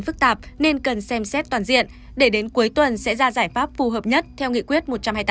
phức tạp nên cần xem xét toàn diện để đến cuối tuần sẽ ra giải pháp phù hợp nhất theo nghị quyết một trăm hai mươi tám